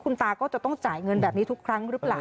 คุณตาก็จะต้องจ่ายเงินแบบนี้ทุกครั้งหรือเปล่า